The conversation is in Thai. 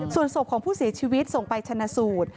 ส่วนศพของผู้เสียชีวิตส่งไปชนะสูตร